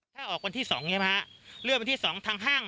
ถ้าออกวันที่สองไงครับฮะเลื่อนวันที่สองทางห้าง